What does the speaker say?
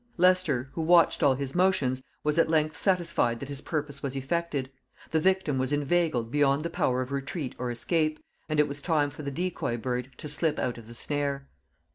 Leicester, who watched all his motions, was at length satisfied that his purpose was effected, the victim was inveigled beyond the power of retreat or escape, and it was time for the decoy bird to slip out of the snare.